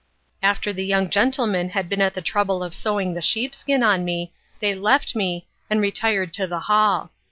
After the young gentlemen had been at the trouble of sewing the sheep skin on me they left me, and retired to the hall.